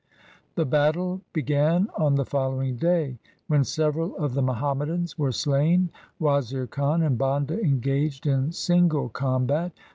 The battle began on the following day. When several of the Muhammadans were slain, Wazir Khan and Banda engaged in single combat.